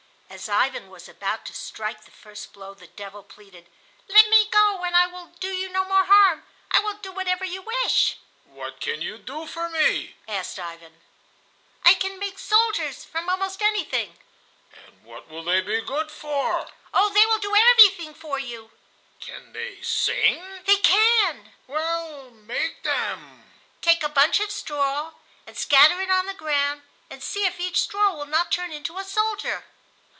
As Ivan was about to strike the first blow the devil pleaded: "Let me go and I will do you no more harm. I will do whatever you wish." "What can you do for me?" asked Ivan. "I can make soldiers from almost anything." "And what will they be good for?" "Oh, they will do everything for you!" "Can they sing?" "They can." "Well, make them." "Take a bunch of straw and scatter it on the ground, and see if each straw will not turn into a soldier."